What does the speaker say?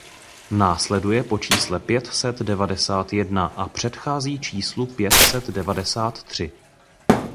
Následuje po čísle pět set devadesát jedna a předchází číslu pět set devadesát tři.